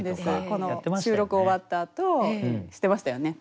この収録終わったあとしてましたよね。